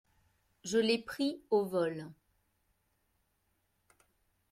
Je l’ai pris au vol.